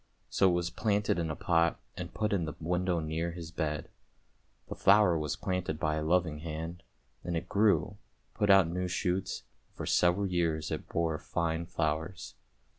So it was planted in a pot, and put in the window near his bed. The flower was planted by a loving hand, and it grew, put out new shoots, and for several years it bore fine flowers.